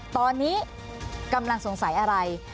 ตอนนี้กำลังสงสัยอะไร